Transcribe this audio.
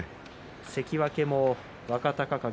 関脇も若隆景